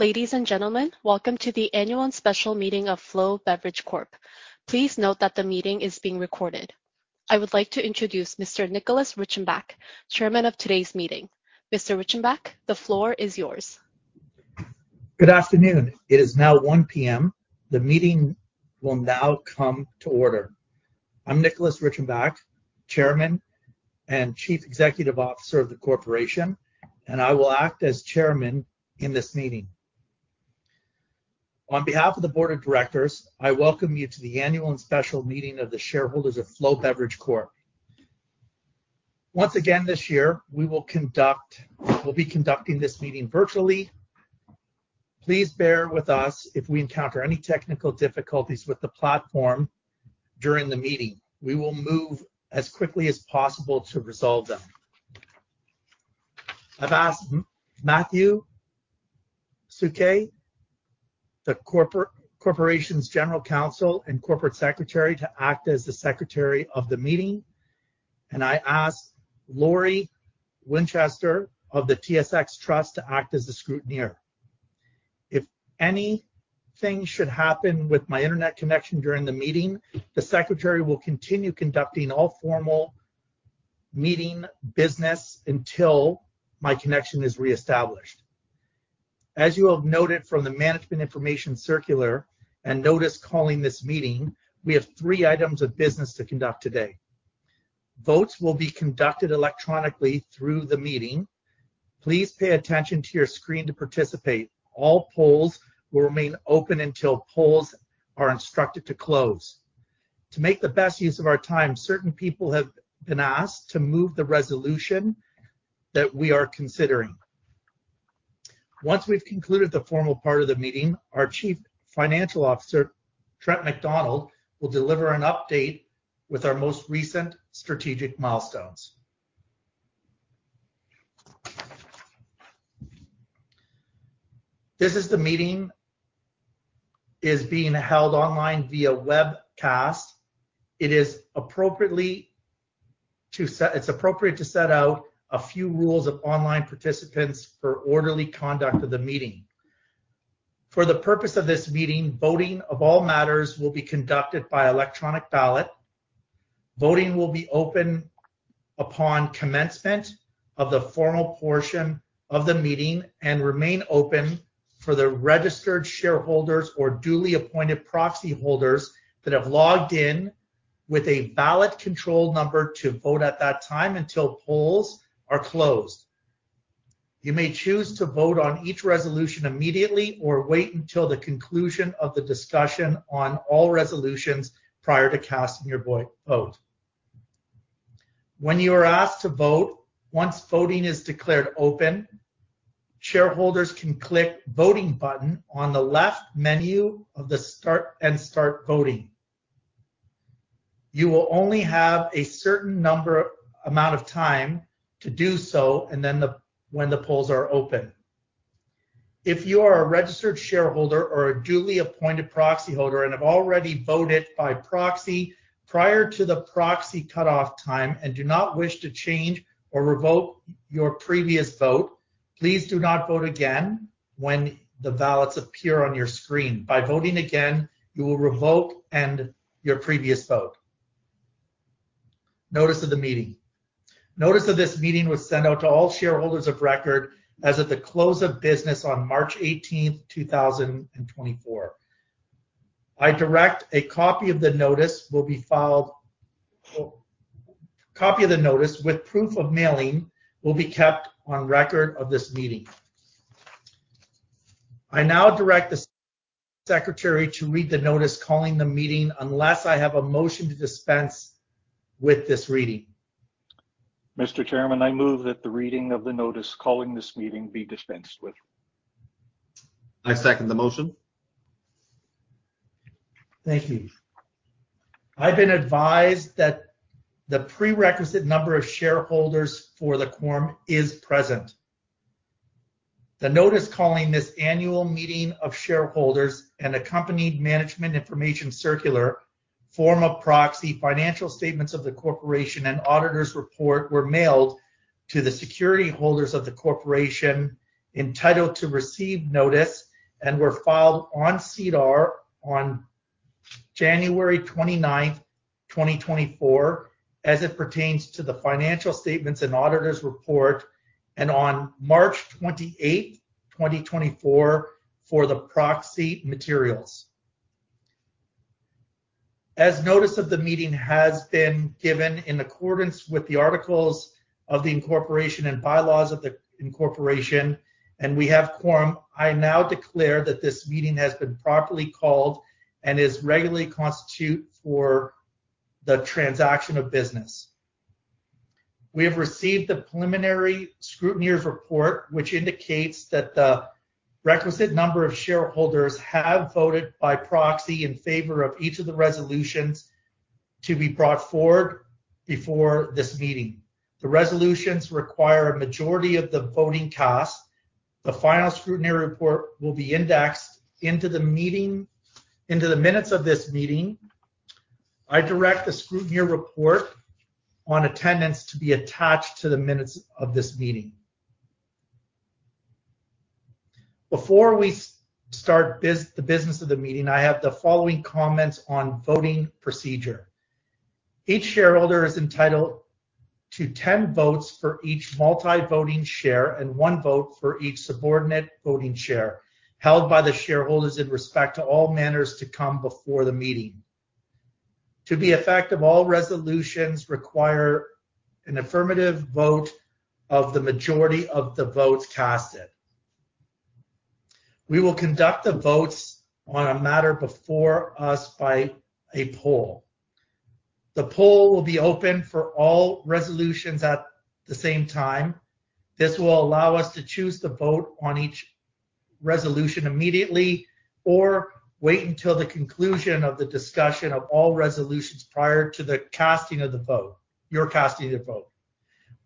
Ladies and gentlemen, welcome to the annual and special meeting of Flow Beverage Corp. Please note that the meeting is being recorded. I would like to introduce Mr. Nicholas Reichenbach, Chairman of today's meeting. Mr. Reichenbach, the floor is yours. Good afternoon. It is now 1:00 P.M. The meeting will now come to order. I'm Nicholas Reichenbach, Chairman and Chief Executive Officer of the corporation, and I will act as Chairman in this meeting. On behalf of the Board of Directors, I welcome you to the annual and special meeting of the shareholders of Flow Beverage Corp. Once again this year, we will be conducting this meeting virtually. Please bear with us if we encounter any technical difficulties with the platform during the meeting. We will move as quickly as possible to resolve them. I've asked Matthew Suquet, the corporation's general counsel and corporate secretary, to act as the secretary of the meeting, and I asked Laurie Winchester of the TSX Trust to act as the scrutineer. If anything should happen with my internet connection during the meeting, the secretary will continue conducting all formal meeting business until my connection is reestablished. As you have noted from the management information circular and notice calling this meeting, we have three items of business to conduct today. Votes will be conducted electronically through the meeting. Please pay attention to your screen to participate. All polls will remain open until polls are instructed to close. To make the best use of our time, certain people have been asked to move the resolution that we are considering. Once we've concluded the formal part of the meeting, our Chief Financial Officer, Trent MacDonald, will deliver an update with our most recent strategic milestones. This meeting is being held online via webcast. It is appropriate to set out a few rules of online participants for orderly conduct of the meeting. For the purpose of this meeting, voting of all matters will be conducted by electronic ballot. Voting will be open upon commencement of the formal portion of the meeting and remain open for the registered shareholders or duly appointed proxy holders that have logged in with a valid control number to vote at that time until polls are closed. You may choose to vote on each resolution immediately or wait until the conclusion of the discussion on all resolutions prior to casting your vote. When you are asked to vote, once voting is declared open, shareholders can click the voting button on the left menu of the screen and start voting. You will only have a certain number amount of time to do so and then, when the polls are open. If you are a registered shareholder or a duly appointed proxy holder and have already voted by proxy prior to the proxy cutoff time and do not wish to change or revoke your previous vote, please do not vote again when the ballots appear on your screen. By voting again, you will revoke your previous vote. Notice of the meeting. Notice of this meeting was sent out to all shareholders of record as of the close of business on March 18th, 2024. I direct a copy of the notice will be filed a copy of the notice with proof of mailing will be kept on record of this meeting. I now direct the secretary to read the notice calling the meeting unless I have a motion to dispense with this reading. Mr. Chairman, I move that the reading of the notice calling this meeting be dispensed with. I second the motion. Thank you. I've been advised that the prerequisite number of shareholders for the quorum is present. The notice calling this annual meeting of shareholders and accompanied management information circular, form of proxy, financial statements of the corporation, and auditor's report were mailed to the security holders of the corporation entitled to receive notice and were filed on SEDAR on January 29th, 2024, as it pertains to the financial statements and auditor's report, and on March 28th, 2024, for the proxy materials. As notice of the meeting has been given in accordance with the articles of the incorporation and bylaws of the incorporation, and we have quorum, I now declare that this meeting has been properly called and is regularly constitute for the transaction of business. We have received the preliminary scrutineer's report, which indicates that the requisite number of shareholders have voted by proxy in favor of each of the resolutions to be brought forward before this meeting. The resolutions require a majority of the votes cast. The final scrutineer report will be indexed into the meeting into the minutes of this meeting. I direct the scrutineer report on attendance to be attached to the minutes of this meeting. Before we start the business of the meeting, I have the following comments on voting procedure. Each shareholder is entitled to 10 votes for each Multi-voting Share and one vote for each Subordinate Voting Share held by the shareholders in respect to all matters to come before the meeting. To be effective, all resolutions require an affirmative vote of the majority of the votes cast. We will conduct the votes on a matter before us by a poll. The poll will be open for all resolutions at the same time. This will allow us to choose the vote on each resolution immediately or wait until the conclusion of the discussion of all resolutions prior to the casting of the vote your casting of the vote.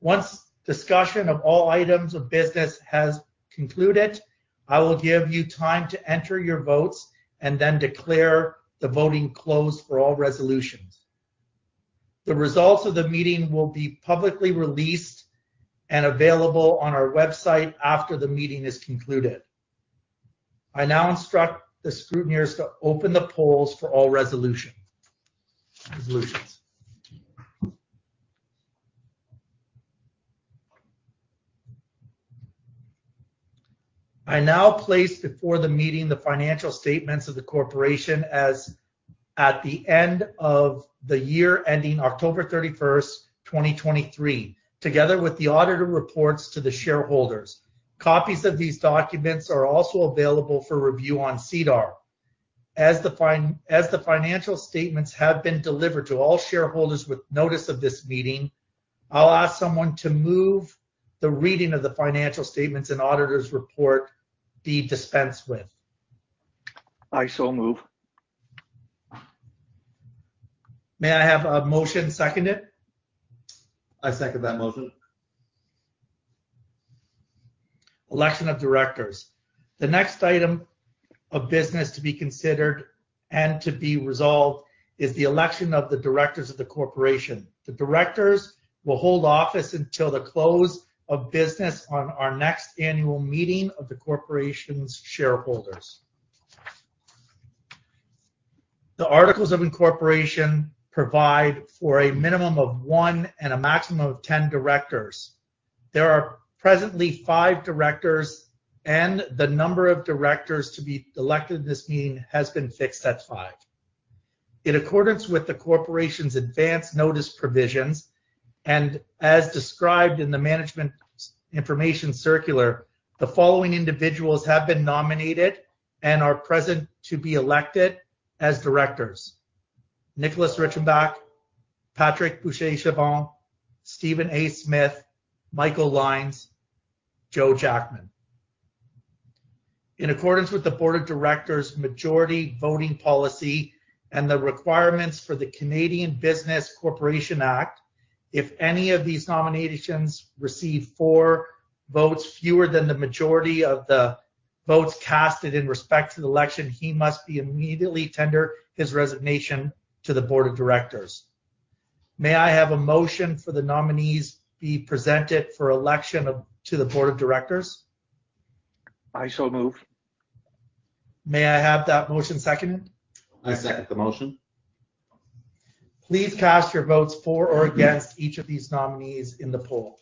Once discussion of all items of business has concluded, I will give you time to enter your votes and then declare the voting closed for all resolutions. The results of the meeting will be publicly released and available on our website after the meeting is concluded. I now instruct the scrutineers to open the polls for all resolutions. Resolutions. I now place before the meeting the financial statements of the corporation as at the end of the year ending October 31st, 2023, together with the auditor reports to the shareholders. Copies of these documents are also available for review on SEDAR. As the financial statements have been delivered to all shareholders with notice of this meeting, I'll ask someone to move the reading of the financial statements and auditor's report be dispensed with. I so move. May I have a motion seconding? I second that motion. Election of directors. The next item of business to be considered and to be resolved is the election of the directors of the corporation. The directors will hold office until the close of business on our next annual meeting of the corporation's shareholders. The articles of incorporation provide for a minimum of 1 and a maximum of 10 directors. There are presently 5 directors, and the number of directors to be elected in this meeting has been fixed at 5. In accordance with the corporation's advance notice provisions and as described in the management information circular, the following individuals have been nominated and are present to be elected as directors: Nicholas Reichenbach, Patrick Bousquet-Chavanne, Stephen A. Smith, Michael Lines, Joe Jackman. In accordance with the Board of Directors' majority voting policy and the requirements of the Canada Business Corporations Act, if any of these nominations receive 4 votes fewer than the majority of the votes cast with respect to the election, he must immediately tender his resignation to the Board of Directors. May I have a motion that the nominees be presented for election to the Board of Directors? I so move. May I have that motion seconded? I second the motion Please cast your votes for or against each of these nominees in the poll.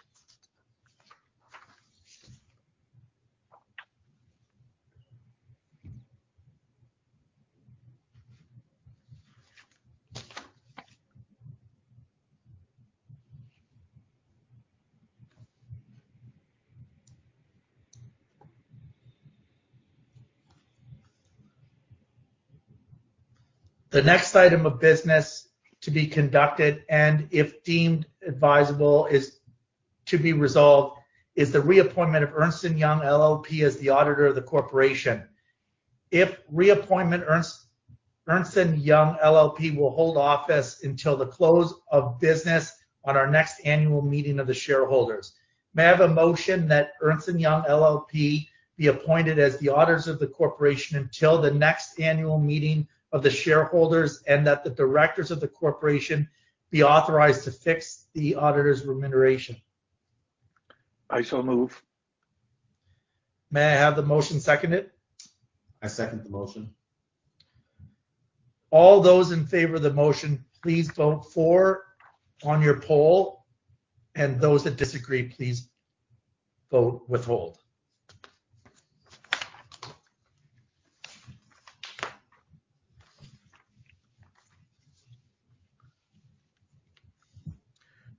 The next item of business to be conducted and if deemed advisable to be resolved is the reappointment of Ernst & Young LLP as the auditor of the corporation. If reappointment, Ernst & Young LLP will hold office until the close of business on our next annual meeting of the shareholders. May I have a motion that Ernst & Young LLP be appointed as the auditors of the corporation until the next annual meeting of the shareholders and that the directors of the corporation be authorized to fix the auditor's remuneration? I so move. May I have the motion seconded? I second the motion. All those in favor of the motion, please vote for on your poll, and those that disagree, please vote withhold.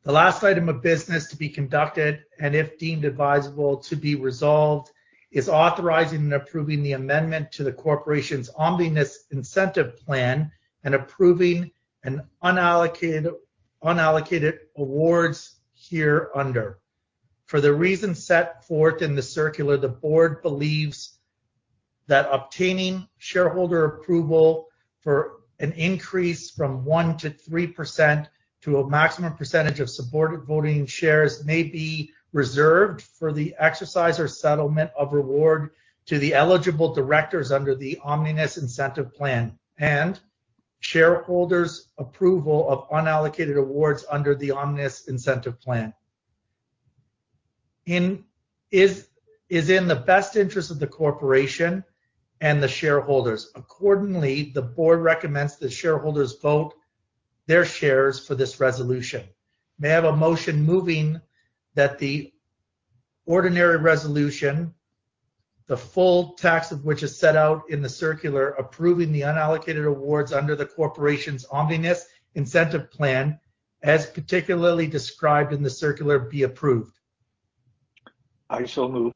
The last item of business to be conducted and if deemed advisable to be resolved is authorizing and approving the amendment to the corporation's Omnibus Incentive Plan and approving unallocated awards hereunder. For the reason set forth in the circular, the board believes that obtaining shareholder approval for an increase from 1%-3% to a maximum percentage of subordinate voting shares may be reserved for the exercise or settlement of rewards to the eligible directors under the Omnibus Incentive Plan and shareholders' approval of unallocated awards under the Omnibus Incentive Plan. It is in the best interest of the corporation and the shareholders. Accordingly, the board recommends that shareholders vote their shares for this resolution. May I have a motion moving that the ordinary resolution, the full text of which is set out in the circular, approving the unallocated awards under the corporation's Omnibus Incentive Plan as particularly described in the circular, be approved? I so move.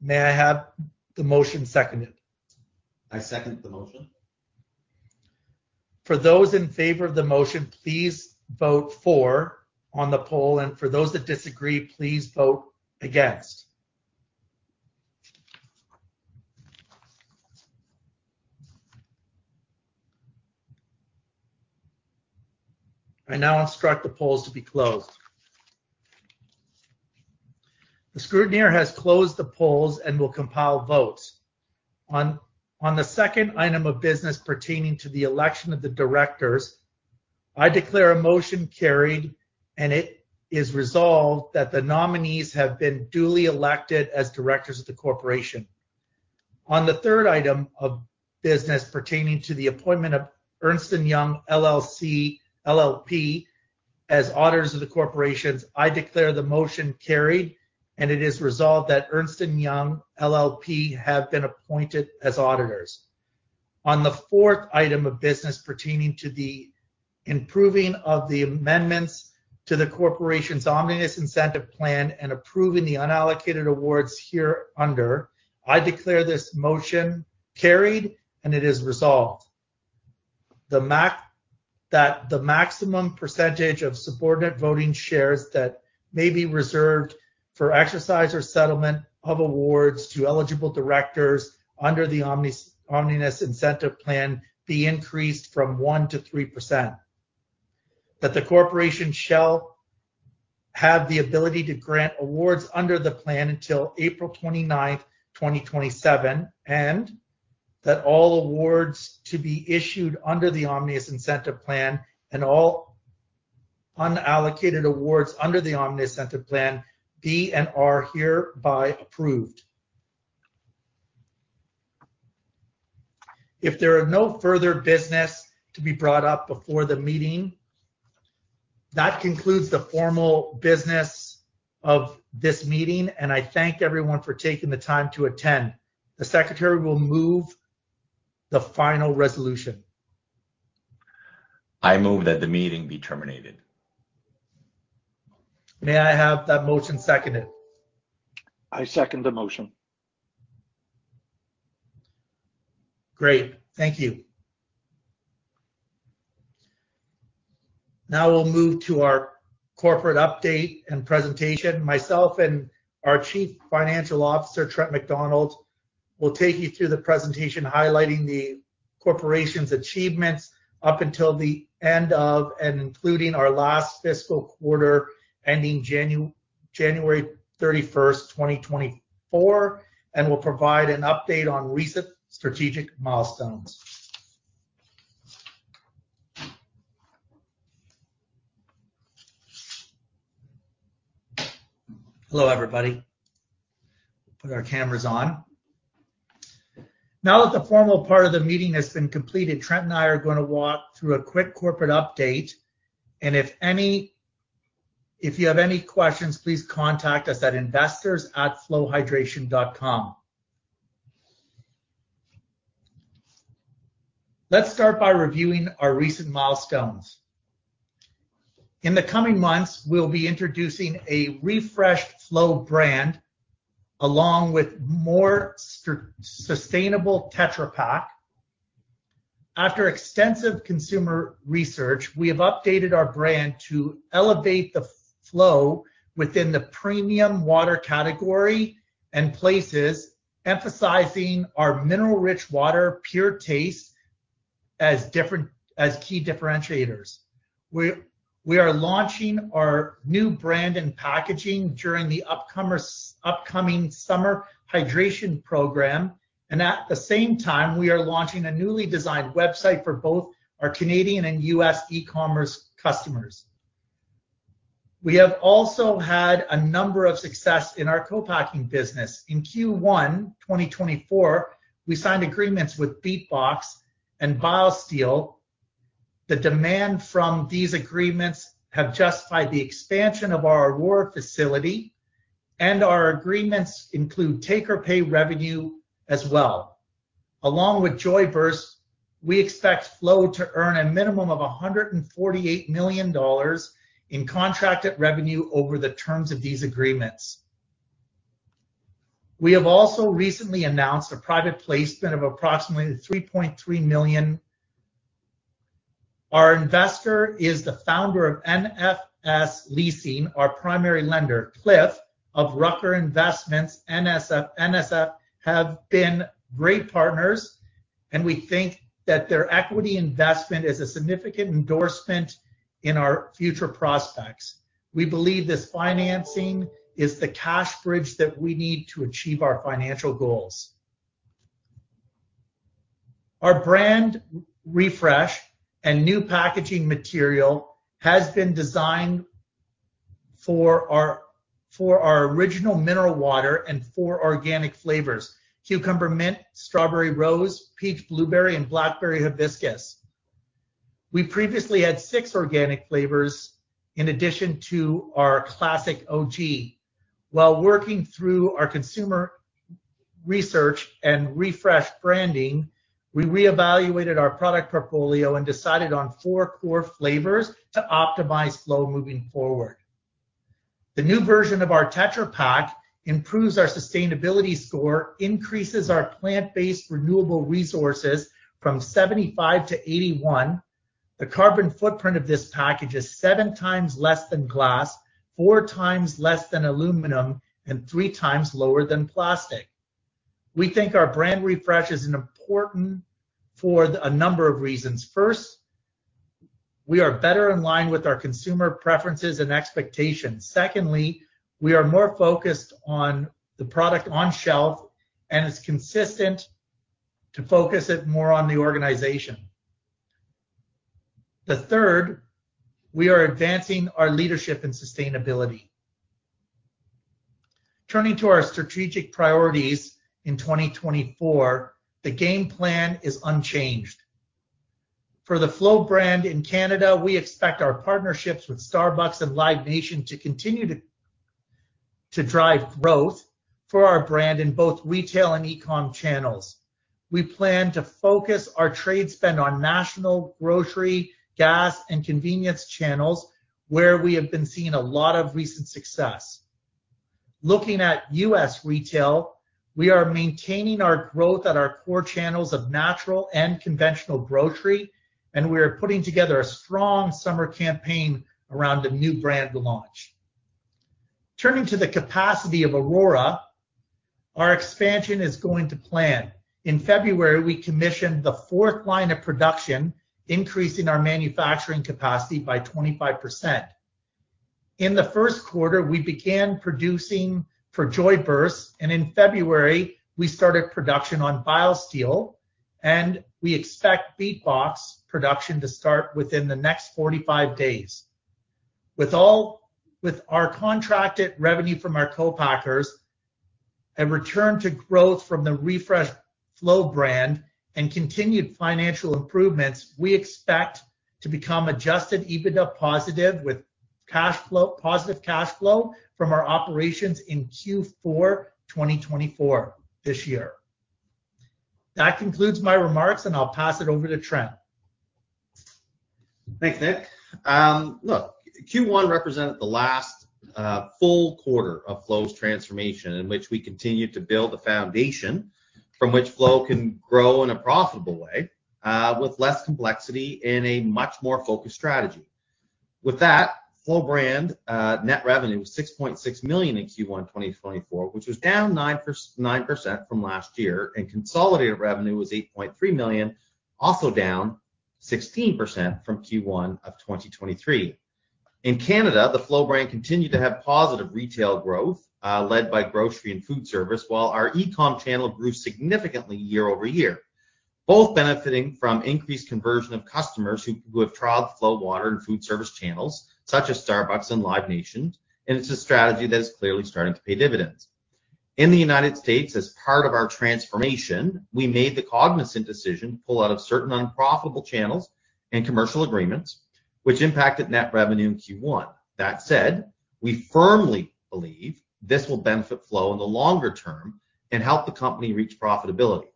May I have the motion seconded? I second the motion. For those in favor of the motion, please vote for on the poll, and for those that disagree, please vote against. I now instruct the polls to be closed. The scrutineer has closed the polls and will compile votes. On the second item of business pertaining to the election of the directors, I declare a motion carried, and it is resolved that the nominees have been duly elected as directors of the corporation. On the third item of business pertaining to the appointment of Ernst & Young LLP as auditors of the corporation, I declare the motion carried, and it is resolved that Ernst & Young LLP have been appointed as auditors. On the fourth item of business pertaining to the improving of the amendments to the corporation's omnibus incentive plan and approving the unallocated awards hereunder, I declare this motion carried, and it is resolved that the maximum percentage of subordinate voting shares that may be reserved for exercise or settlement of awards to eligible directors under the omnibus incentive plan be increased from 1%-3%, that the corporation shall have the ability to grant awards under the plan until April 29th, 2027, and that all awards to be issued under the omnibus incentive plan and all unallocated awards under the omnibus incentive plan be and are hereby approved. If there are no further business to be brought up before the meeting, that concludes the formal business of this meeting, and I thank everyone for taking the time to attend. The secretary will move the final resolution. I move that the meeting be terminated. May I have that motion seconded? I second the motion. Great. Thank you. Now we'll move to our corporate update and presentation. Myself and our Chief Financial Officer, Trent MacDonald, will take you through the presentation highlighting the corporation's achievements up until the end of and including our last fiscal quarter ending January 31st, 2024, and will provide an update on recent strategic milestones. Hello, everybody. Put our cameras on. Now that the formal part of the meeting has been completed, Trent and I are going to walk through a quick corporate update, and if you have any questions, please contact us at investors@flowhydration.com. Let's start by reviewing our recent milestones. In the coming months, we'll be introducing a refreshed Flow brand along with more sustainable Tetra Pak. After extensive consumer research, we have updated our brand to elevate the Flow within the premium water category and places, emphasizing our mineral-rich water pure taste as key differentiators. We are launching our new brand and packaging during the upcoming summer hydration program, and at the same time, we are launching a newly designed website for both our Canadian and US e-commerce customers. We have also had a number of successes in our co-packing business. In Q1, 2024, we signed agreements with BeatBox and BioSteel. The demand from these agreements has justified the expansion of our Aurora facility, and our agreements include take-or-pay revenue as well. Along with Joyburst, we expect Flow to earn a minimum of 148 million dollars in contracted revenue over the terms of these agreements. We have also recently announced a private placement of approximately 3.3 million. Our investor is the founder of NFS Leasing, our primary lender, Cliff, of Rucker Investments. NFS has been great partners, and we think that their equity investment is a significant endorsement in our future prospects. We believe this financing is the cash bridge that we need to achieve our financial goals. Our brand refresh and new packaging material has been designed for our original mineral water and for organic flavors: cucumber mint, strawberry rose, peach, blueberry, and blackberry hibiscus. We previously had 6 organic flavors in addition to our classic OG. While working through our consumer research and refreshed branding, we reevaluated our product portfolio and decided on 4 core flavors to optimize Flow moving forward. The new version of our Tetra Pak improves our sustainability score, increases our plant-based renewable resources from 75-81. The carbon footprint of this package is 7 times less than glass, 4 times less than aluminum, and 3 times lower than plastic. We think our brand refresh is important for a number of reasons. First, we are better in line with our consumer preferences and expectations. Secondly, we are more focused on the product on shelf, and it's consistent to focus it more on the organization. The third, we are advancing our leadership in sustainability. Turning to our strategic priorities in 2024, the game plan is unchanged. For the Flow brand in Canada, we expect our partnerships with Starbucks and Live Nation to continue to drive growth for our brand in both retail and e-com channels. We plan to focus our trade spend on national grocery, gas, and convenience channels where we have been seeing a lot of recent success. Looking at U.S. retail, we are maintaining our growth at our core channels of natural and conventional grocery, and we are putting together a strong summer campaign around the new brand launch. Turning to the capacity of Aurora, our expansion is going to plan. In February, we commissioned the fourth line of production, increasing our manufacturing capacity by 25%. In the first quarter, we began producing for Joyburst, and in February, we started production on BIOSTEEL, and we expect BeatBox production to start within the next 45 days. With our contracted revenue from our co-packers and return to growth from the refreshed Flow brand and continued financial improvements, we expect to become Adjusted EBITDA positive with positive cash flow from our operations in Q4, 2024, this year. That concludes my remarks, and I'll pass it over to Trent. Thanks, Nick. Look, Q1 represented the last full quarter of Flow's transformation in which we continued to build the foundation from which Flow can grow in a profitable way with less complexity and a much more focused strategy. With that, Flow brand net revenue was 6.6 million in Q1, 2024, which was down 9% from last year, and consolidated revenue was 8.3 million, also down 16% from Q1 of 2023. In Canada, the Flow brand continued to have positive retail growth led by grocery and food service, while our e-com channel grew significantly year-over-year, both benefiting from increased conversion of customers who have trialed Flow water and food service channels such as Starbucks and Live Nation, and it's a strategy that is clearly starting to pay dividends. In the United States, as part of our transformation, we made the cognizant decision to pull out of certain unprofitable channels and commercial agreements, which impacted net revenue in Q1. That said, we firmly believe this will benefit Flow in the longer term and help the company reach profitability.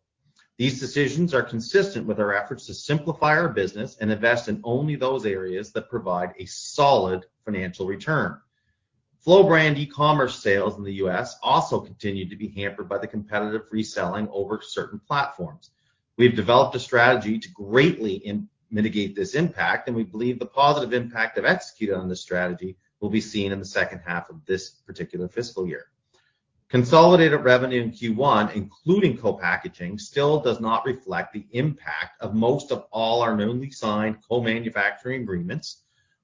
These decisions are consistent with our efforts to simplify our business and invest in only those areas that provide a solid financial return. Flow brand e-commerce sales in the U.S. also continued to be hampered by the competitive reselling over certain platforms. We have developed a strategy to greatly mitigate this impact, and we believe the positive impact of executing on this strategy will be seen in the second half of this particular fiscal year. Consolidated revenue in Q1, including co-packing, still does not reflect the impact of most of all our newly signed co-manufacturing agreements.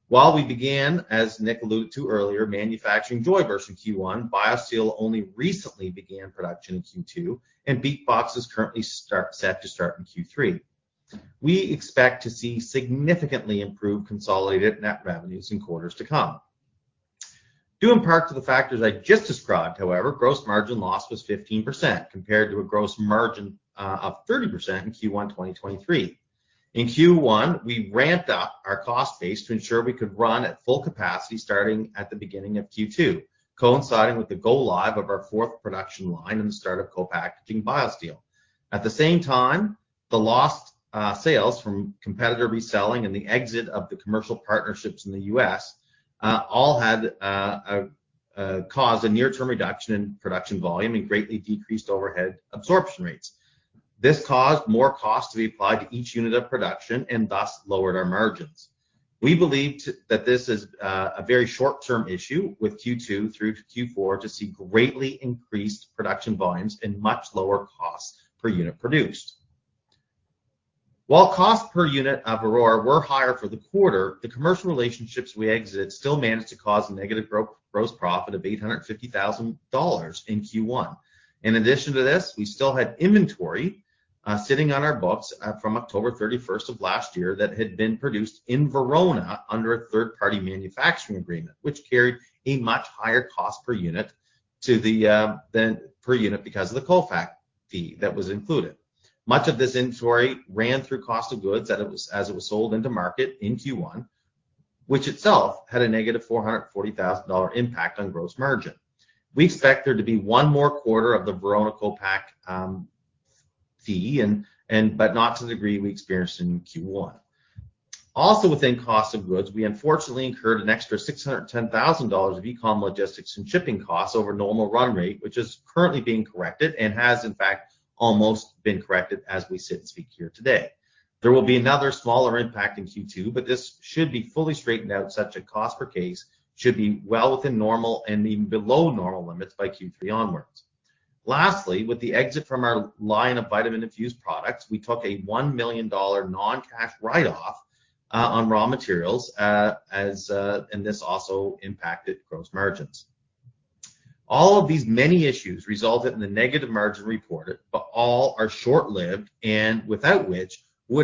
While we began, as Nick alluded to earlier, manufacturing Joyburst in Q1, BioSteel only recently began production in Q2, and BeatBox is currently set to start in Q3. We expect to see significantly improved consolidated net revenues in quarters to come. Due in part to the factors I just described, however, gross margin loss was 15% compared to a gross margin of 30% in Q1, 2023. In Q1, we ramped up our cost base to ensure we could run at full capacity starting at the beginning of Q2, coinciding with the go-live of our fourth production line and the start of co-packaging BioSteel. At the same time, the lost sales from competitor reselling and the exit of the commercial partnerships in the U.S. all had caused a near-term reduction in production volume and greatly decreased overhead absorption rates. This caused more costs to be applied to each unit of production and thus lowered our margins. We believe that this is a very short-term issue with Q2 through Q4 to see greatly increased production volumes and much lower costs per unit produced. While cost per unit of Aurora were higher for the quarter, the commercial relationships we exited still managed to cause a negative gross profit of 850,000 dollars in Q1. In addition to this, we still had inventory sitting on our books from October 31st of last year that had been produced in Verona under a third-party manufacturing agreement, which carried a much higher cost per unit than per unit because of the co-packing fee that was included. Much of this inventory ran through cost of goods as it was sold into market in Q1, which itself had a negative 440,000 dollar impact on gross margin. We expect there to be one more quarter of the Verona co-pack fee, but not to the degree we experienced in Q1. Also, within cost of goods, we unfortunately incurred an extra 610,000 dollars of e-com logistics and shipping costs over normal run rate, which is currently being corrected and has, in fact, almost been corrected as we sit and speak here today. There will be another smaller impact in Q2, but this should be fully straightened out. Such a cost per case should be well within normal and even below normal limits by Q3 onwards. Lastly, with the exit from our line of vitamin-infused products, we took a 1 million dollar non-cash write-off on raw materials, and this also impacted gross margins. All of these many issues resulted in the negative margin reported, but all are short-lived and without which we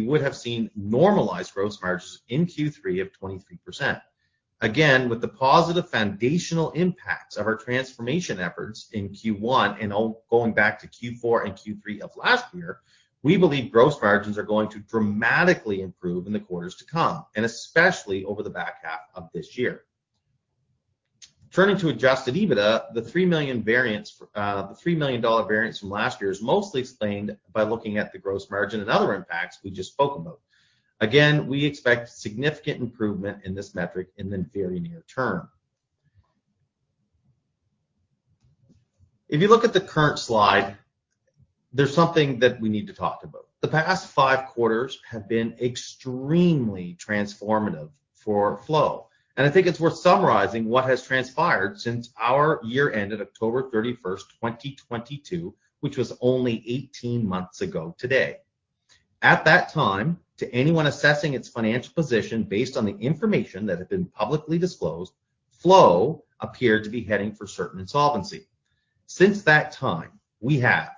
would have seen normalized gross margins in Q3 of 23%. Again, with the positive foundational impacts of our transformation efforts in Q1 and going back to Q4 and Q3 of last year, we believe gross margins are going to dramatically improve in the quarters to come, and especially over the back half of this year. Turning to Adjusted EBITDA, the 3 million variance from last year is mostly explained by looking at the gross margin and other impacts we just spoke about. Again, we expect significant improvement in this metric in the very near term. If you look at the current slide, there's something that we need to talk about. The past five quarters have been extremely transformative for Flow, and I think it's worth summarizing what has transpired since our year ended October 31st, 2022, which was only 18 months ago today. At that time, to anyone assessing its financial position based on the information that had been publicly disclosed, Flow appeared to be heading for certain insolvency. Since that time, we have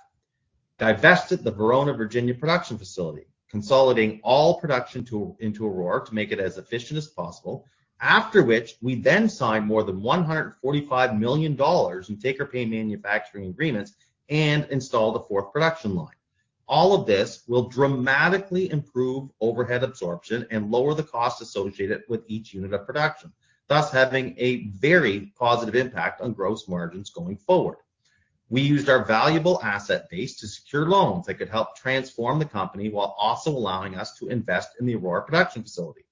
divested the Verona, Virginia production facility, consolidating all production into Aurora to make it as efficient as possible, after which we then signed more than 145 million dollars in Take-or-pay manufacturing agreements and installed a fourth production line. All of this will dramatically improve overhead absorption and lower the cost associated with each unit of production, thus having a very positive impact on gross margins going forward. We used our valuable asset base to secure loans that could help transform the company while also allowing us to invest in the Aurora production facility.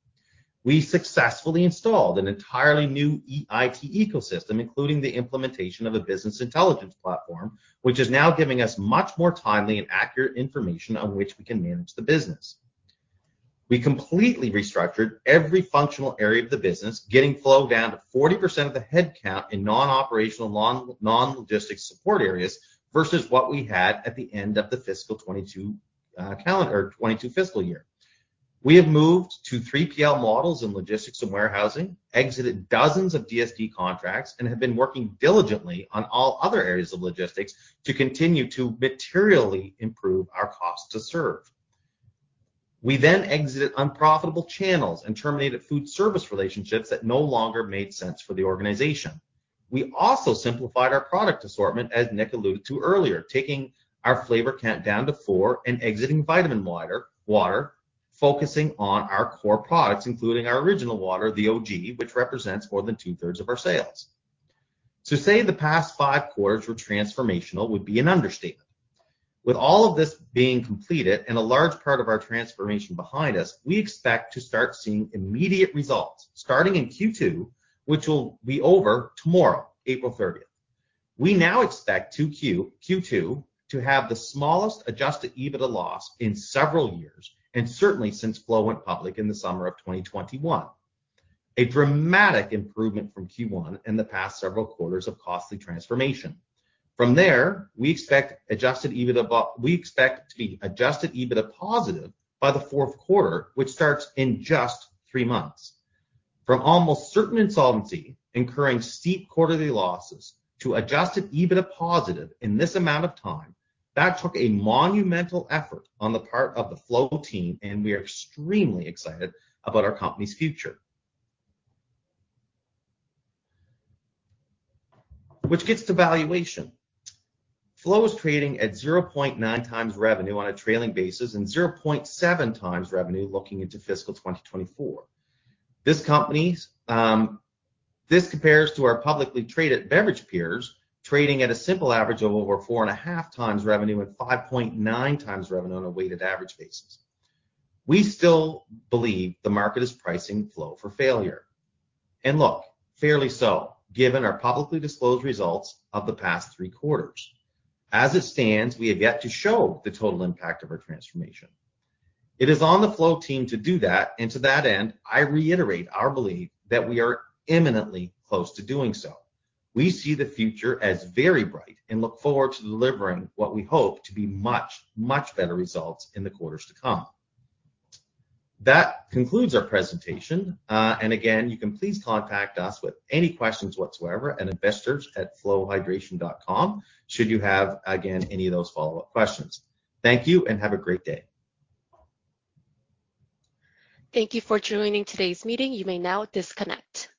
We successfully installed an entirely new EIT ecosystem, including the implementation of a business intelligence platform, which is now giving us much more timely and accurate information on which we can manage the business. We completely restructured every functional area of the business, getting Flow down to 40% of the headcount in non-operational non-logistics support areas versus what we had at the end of the fiscal 2022 calendar or 2022 fiscal year. We have moved to 3PL models in logistics and warehousing, exited dozens of DSD contracts, and have been working diligently on all other areas of logistics to continue to materially improve our costs to serve. We then exited unprofitable channels and terminated food service relationships that no longer made sense for the organization. We also simplified our product assortment, as Nick alluded to earlier, taking our flavor count down to 4 and exiting vitamin water, focusing on our core products, including our original water, the OG, which represents more than two-thirds of our sales. To say the past five quarters were transformational would be an understatement. With all of this being completed and a large part of our transformation behind us, we expect to start seeing immediate results, starting in Q2, which will be over tomorrow, April 30th. We now expect Q2 to have the smallest Adjusted EBITDA loss in several years, and certainly since Flow went public in the summer of 2021. A dramatic improvement from Q1 and the past several quarters of costly transformation. From there, we expect Adjusted EBITDA positive by the fourth quarter, which starts in just three months. From almost certain insolvency, incurring steep quarterly losses, to Adjusted EBITDA positive in this amount of time, that took a monumental effort on the part of the Flow team, and we are extremely excited about our company's future. Which gets to valuation. Flow is trading at 0.9x revenue on a trailing basis and 0.7x revenue looking into fiscal 2024. This company, this compares to our publicly traded beverage peers trading at a simple average of over 4.5x revenue and 5.9x revenue on a weighted average basis. We still believe the market is pricing Flow for failure. And look, fairly so, given our publicly disclosed results of the past three quarters. As it stands, we have yet to show the total impact of our transformation. It is on the Flow team to do that, and to that end, I reiterate our belief that we are imminently close to doing so. We see the future as very bright and look forward to delivering what we hope to be much, much better results in the quarters to come. That concludes our presentation. And again, you can please contact us with any questions whatsoever at investors@flowhydration.com should you have, again, any of those follow-up questions. Thank you and have a great day. Thank you for joining today's meeting. You may now disconnect.